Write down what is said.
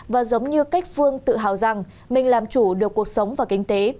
và giống như cách phương tự hào rằng mình làm chủ được cuộc sống và kinh tế